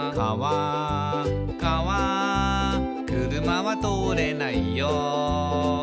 「かわ車は通れないよ」